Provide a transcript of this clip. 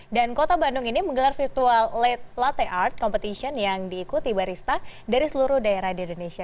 dan kota bandung ini menggelar virtual latte art competition yang diikuti barista dari seluruh daerah di indonesia